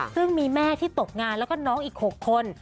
ซึ่งมีแม่ที่ตกงานแล้วก็น้องอีก๖คน